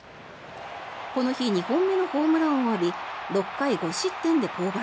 この日２本目のホームランを浴び６回５失点で降板。